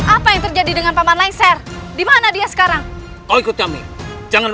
apa yang terjadi dengan paman laisar dimana dia sekarang kalau ikut kami jangan